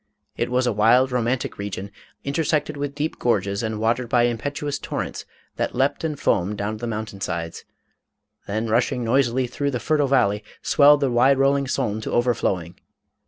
It was a wild, romantic region, in , tersected with deep gorges, and watered by impetuous torrents that leaped and foamed down the mountain sides, then rushing noisily through the fertile valley, swelled the wide rolling Saone to overflowing.